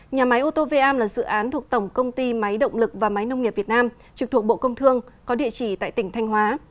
nhà máy ô tô vam là dự án thuộc tổng công ty máy động lực và máy nông nghiệp việt nam trực thuộc bộ công thương có địa chỉ tại tỉnh thanh hóa